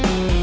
ya itu dia